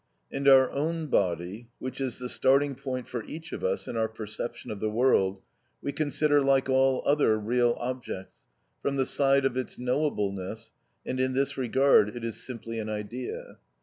And our own body, which is the starting point for each of us in our perception of the world, we consider, like all other real objects, from the side of its knowableness, and in this regard it is simply an idea.